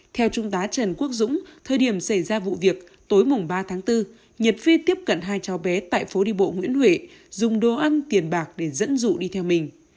theo trung tá trần quốc dũng thời điểm xảy ra vụ việc tối mùng ba tháng bốn nhật phi tiếp cận hai cháu bé tại phố đi bộ nguyễn huệ dùng đồ ăn tiền bạc để dẫn dụ đi theo mình